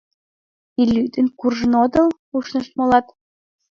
— И лӱдын куржын отыл? — ушнышт молат.